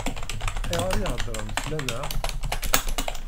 Ayɣer i heddṛen fell-aneɣ?